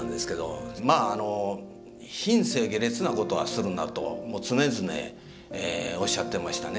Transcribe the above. まあ「品性下劣なことはするな」ともう常々おっしゃってましたね。